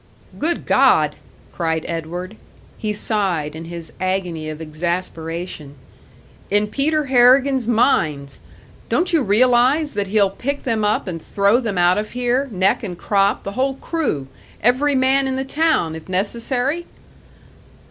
"Good God!" cried Edward; he sighed, in his agony of exasperation. "In Peter Harrigan's mines! Don't you realise that he'll pick them up and throw them out of here, neck and crop the whole crew, every man in the town, if necessary?"